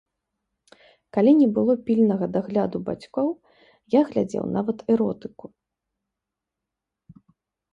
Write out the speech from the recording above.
Калі не было пільнага дагляду бацькоў, я глядзеў нават эротыку.